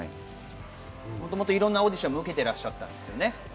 もともといろんなオーディションも受けていらっしゃったんですよね。